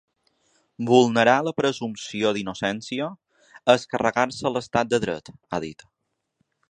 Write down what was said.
Vulnerar la presumpció d’innocència és carregar-se l’estat de dret, ha dit.